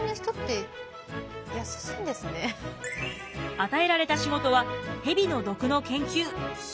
与えられた仕事は蛇の毒の研究。